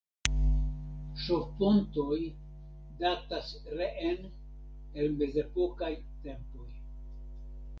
Ŝovpontoj datas reen el mezepokaj tempoj.